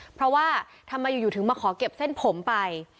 เพราะว่าทำไมอยู่ถึงมาขอเก็บเส้นผมไป